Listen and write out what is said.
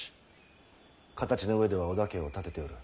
形の上では織田家を立てておる。